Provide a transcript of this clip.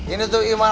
ini tuh iman